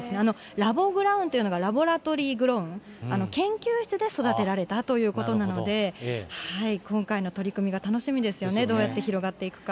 ラボグロウンというのはラボラトリー・グロウン、研究室で育てられたということなので、今回の取り組みが楽しみですよね、どうや杉野さんは。